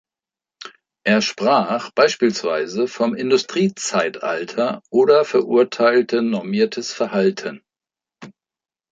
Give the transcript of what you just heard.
Er sprach beispielsweise vom „Industriezeitalter“ oder verurteilte „normiertes Verhalten“.